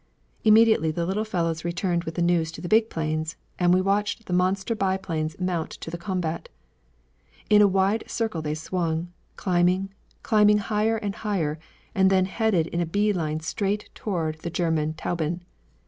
Immediately the little fellows returned with the news to the big planes, and we watched the monster biplanes mount to the combat. In a wide circle they swung, climbing, climbing higher and higher, and then headed in a bee line straight toward the German Tauben.